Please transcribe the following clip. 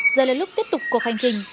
giờ là lúc tiếp tục cuộc hành trình